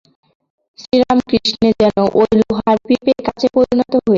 শ্রীরামকৃষ্ণে যেন ঐ লোহার পিপে কাচে পরিণত হয়েছে।